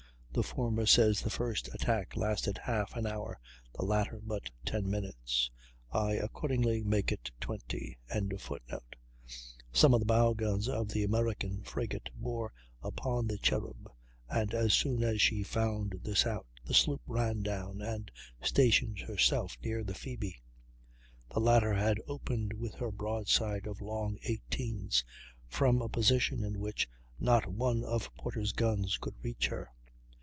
The former says the first attack lasted half an hour; the latter, but 10 minutes. I accordingly make it 20.] Some of the bow guns of the American frigate bore upon the Cherub, and, as soon as she found this out, the sloop ran down and stationed herself near the Phoebe. The latter had opened with her broadside of long 18's, from a position in which not one of Porter's guns could reach her.